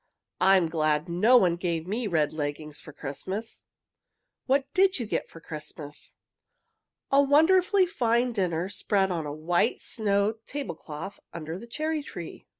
"I'm glad no one gave me red leggings for Christmas." "What did you get for Christmas?" "A wonderfully fine dinner spread on a white snow table cloth under the cherry tree!"